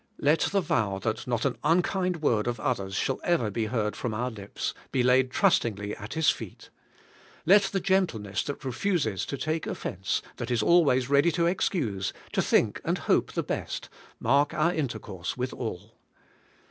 Let the vow, that not an unkind word of others shall ever be heard from our lips, be laid trustingly at His feet. Let the gen tleness that refuses to take offence, that is always ready to excuse, to think and hope the best, mark our intercourse with all.